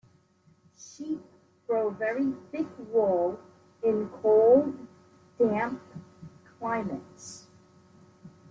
Sheep grow very thick wool in cold, damp climates.